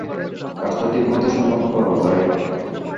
কাজটা ঠিকমতো সম্পন্ন কোরো, লয়েড।